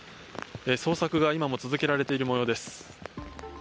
捜索が今も続けられている模様です。